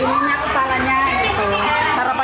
harapannya seperti apa